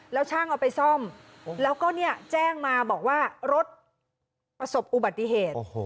แล้วช่างเอาไปซ่อมแล้วก็แจ้งมาบอกว่ารถประสบอุบัติเหตุ